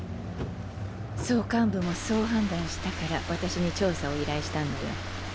総監部もそう判断したから私に調査を依頼したんだよ。